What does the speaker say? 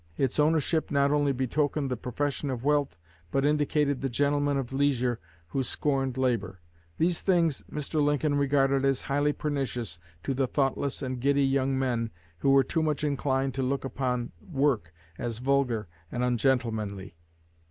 Its ownership not only betokened the possession of wealth, but indicated the gentleman of leisure who scorned labor. These things Mr. Lincoln regarded as highly pernicious to the thoughtless and giddy young men who were too much inclined to look upon work as vulgar and ungentlemanly.